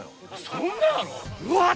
そんななの？